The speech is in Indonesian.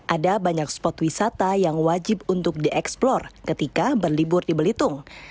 ada banyak spot wisata yang wajib untuk dieksplor ketika berlibur di belitung